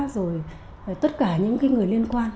rồi tất cả những cái người liên quan